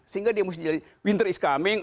sehingga dia mesti jelaskan winter is coming